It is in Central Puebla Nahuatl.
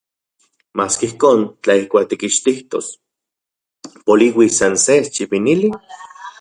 Maski ijkon, tla ijkuak tikixtijtos poliuis san se eschipinili...